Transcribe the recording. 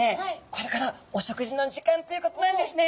これからお食事の時間ということなんですね。